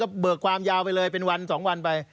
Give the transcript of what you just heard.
เบิกความยาวไปเลยเป็นวัน๒วันไป